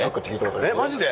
えっマジで？